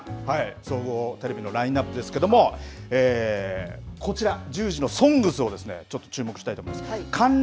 総合テレビのラインアップですけれどもこちら１０時のＳＯＮＧＳをですねちょっと注目したいと思います。